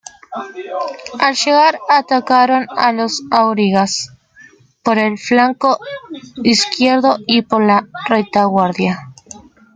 Al llegar atacaron a los aurigas por el flanco izquierdo y por la retaguardia.